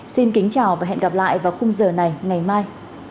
xin kính chào và hẹn gặp lại vào khung giờ này ngày mai